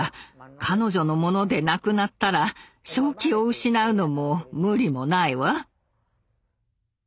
彼女のものでなくなったら正気を失うのも無理もないわ。